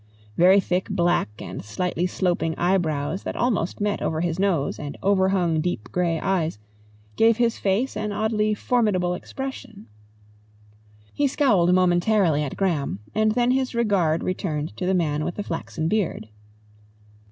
Very thick black and slightly sloping eyebrows that almost met over his nose and overhung deep grey eyes, gave his face an oddly formidable expression. He scowled momentarily at Graham and then his regard returned to the man with the flaxen beard.